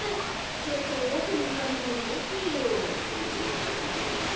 ちょっとボクのおかねもいれてよ。